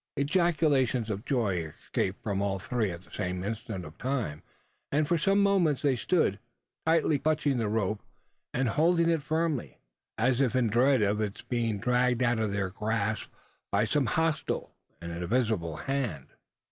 Ejaculations of joy escaped from all three at the same instant of time: and for some moments they stood, tightly clutching the rope, and holding it firmly: as if in dread of its being dragged out of their grasp by some hostile and invisible hand.